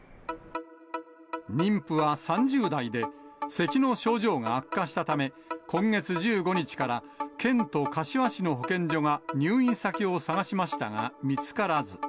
妊婦は３０代で、せきの症状が悪化したため、今月１５日から県と柏市の保健所が入院先を探しましたが見つからず。